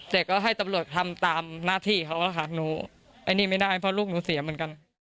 แต่ก็ให้ตำรวจทำตามหน้าที่เขาอะค่ะหนูไอ้นี่ไม่ได้เพราะลูกหนูเสียเหมือนกัน